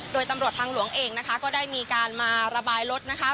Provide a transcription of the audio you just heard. โดยตำรวจทางหลวงเองนะคะก็ได้มีการมาระบายรถนะคะ